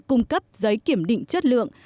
cung cấp giấy kiểm định chất lượng